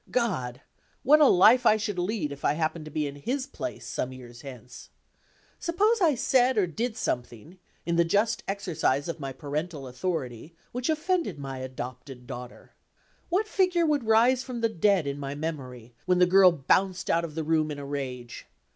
God! what a life I should lead, if I happened to be in his place, some years hence. Suppose I said or did something (in the just exercise of my parental authority) which offended my adopted daughter. What figure would rise from the dead in my memory, when the girl bounced out of the room in a rage?